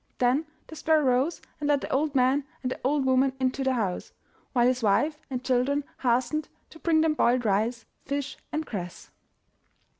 Then the sparrow rose and led the old man and the old woman into the house, while his wife and children hastened to bring them boiled rice, fish, and cress.